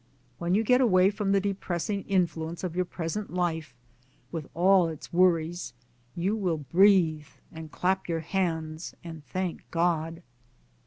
... .When you get away from the depressing influence of your present life with all its worries you will breathe and clap your hands and thank God